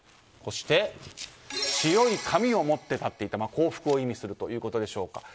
そして白い紙を持って立っていた降伏を意味するということでしょうか。